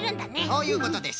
そういうことです！